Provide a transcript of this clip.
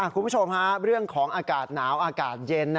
คุณผู้ชมเรื่องของอากาศหนาวอากาศเย็น